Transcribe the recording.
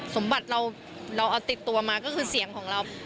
สมบัติเราเอาติดตัวมาก็คือเสียงของเรา